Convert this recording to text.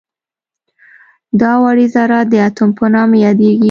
دا وړې ذرات د اتوم په نامه یادیږي.